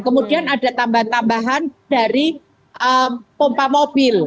kemudian ada tambahan tambahan dari pompa mobil